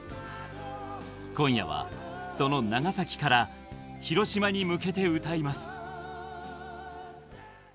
今夜は、その長崎から広島に向けて歌います。